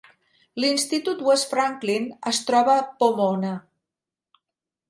L'institut West Franklin es troba a Pomona.